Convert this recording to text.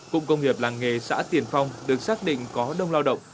cụng công nghiệp làng nghề xã tiền phong được xác định có đông lao động